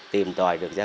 tìm tòi được ra